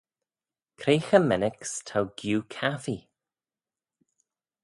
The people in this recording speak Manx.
Cre cho mennick's t'ou giu caffee?